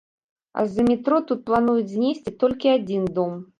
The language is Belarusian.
А з-за метро тут плануюць знесці толькі адзін дом.